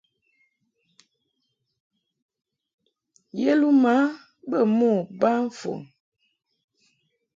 Yeluma bə mo ba fon.